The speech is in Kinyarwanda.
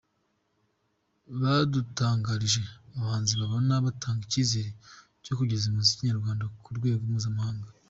Badutangarije abahanzi babona batanga icyizere cyo kugeza umuziki nyarwanda ku rwego mpuzamahanga.